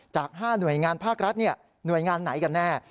จาก๕หน่วยงานภาครัฐหน่วยงานไหนกันแน่